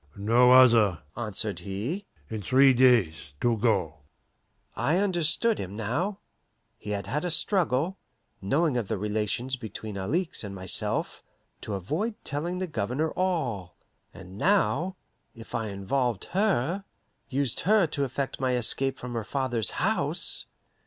"No other," answered he. "In three days to go." I understood him now. He had had a struggle, knowing of the relations between Alixe and myself, to avoid telling the Governor all. And now, if I involved her, used her to effect my escape from her father's house!